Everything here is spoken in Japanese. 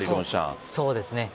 そうですね。